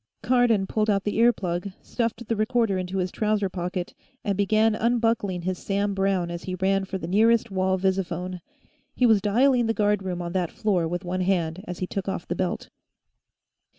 Cardon pulled out the ear plug, stuffed the recorder into his trouser pocket, and began unbuckling his Sam Browne as he ran for the nearest wall visiphone. He was dialing the guard room on that floor with one hand as he took off the belt.